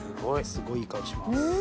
すごいいい香りしてます。